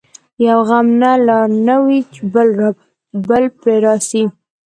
یو غم نه لا نه وي چي بل پر راسي